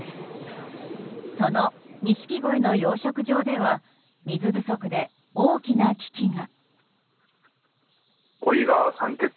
そのニシキゴイの養殖場では水不足で大きな危機が。